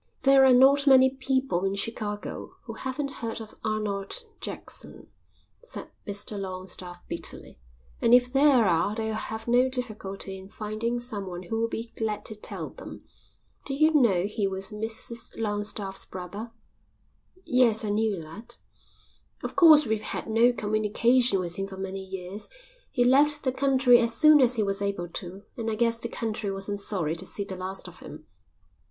"There are not many people in Chicago who haven't heard of Arnold Jackson," said Mr Longstaffe bitterly, "and if there are they'll have no difficulty in finding someone who'll be glad to tell them. Did you know he was Mrs Longstaffe's brother?" "Yes, I knew that." "Of course we've had no communication with him for many years. He left the country as soon as he was able to, and I guess the country wasn't sorry to see the last of him.